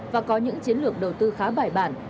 và có những chiến lược đầu tư khá bài bản